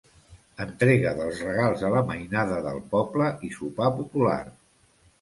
Entrega dels regals a la mainada del poble i sopar popular.